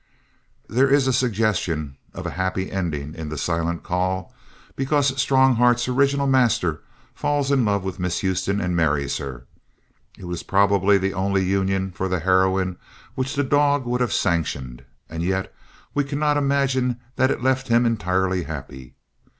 There is a suggestion of a happy ending in The Silent Call because Strongheart's original master falls in love with Miss Houston and marries her. It was probably the only union for the heroine which the dog would have sanctioned, and yet we cannot imagine that it left him entirely happy.